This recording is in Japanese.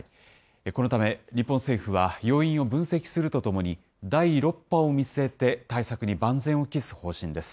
このため日本政府は要因を分析するとともに、第６波を見据えて対策に万全を期す方針です。